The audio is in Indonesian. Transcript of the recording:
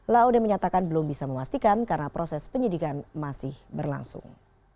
laode menyatakan belum bisa memastikan karena proses penyidikan masih berlangsung